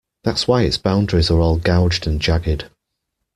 That's why its boundaries are all gouged and jagged.